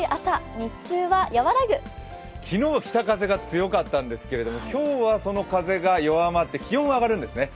昨日は北風が強かったんですけれども、今日はその風が弱まって気温が上がるんですね。